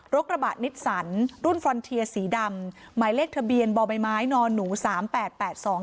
กระบะนิสสันรุ่นฟรอนเทียสีดำหมายเลขทะเบียนบ่อใบไม้นอนหนูสามแปดแปดสอง